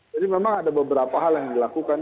jadi memang ada beberapa hal yang dilakukan